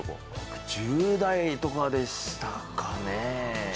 １０代とかでしたかね。